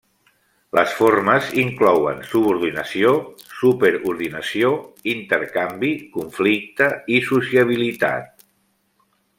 Les formes inclouen subordinació, super ordinació, intercanvi, conflicte i sociabilitat.